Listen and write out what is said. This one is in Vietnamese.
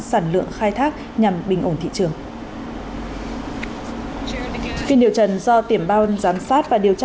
sản lượng khai thác nhằm bình ổn thị trường phiên điều trần do tiểm bao giám sát và điều tra